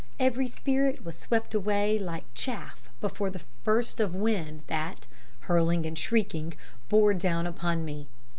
Every spirit was swept away like chaff before the burst of wind that, hurling and shrieking, bore down upon me.